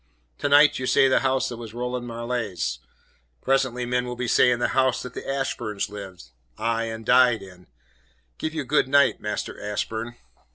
To night you say the house that was Roland Marleigh's; presently men will be saying the house that the Ashburns lived aye, and died in. Give you good night, Master Ashburn."